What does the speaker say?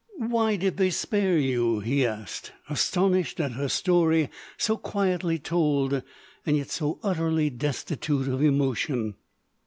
"Why did they spare you?" he asked, astonished at her story so quietly told, so utterly destitute of emotion.